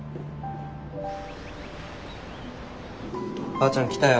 ばあちゃん来たよ。